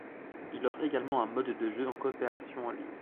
Il offre également un mode de jeu en coopération en ligne.